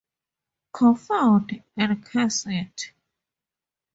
Confound and curse it!